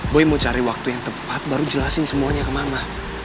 boy mau cari waktu yang tepat baru jelasin semuanya ke mama